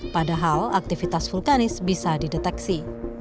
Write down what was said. padahal aktivitas vulkanis bisa dideteksi